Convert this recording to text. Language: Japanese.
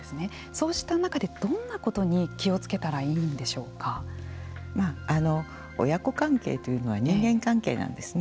そうした中でどんなことに親子関係というのは人間関係なんですね。